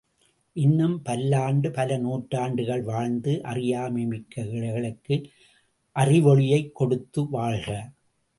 இன்னும் பல்லாண்டு பல நூற்றாண்டுகள் வாழ்ந்து அறியாமை மிக்க ஏழைகளுக்கு அறிவொளியைக் கொடுத்து வாழ்க!